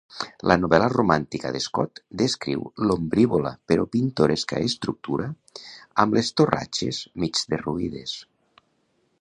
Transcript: La novel·la romàntica de Scott descriu l'"ombrívola però pintoresca estructura" amb les "torratxes mig derruïdes".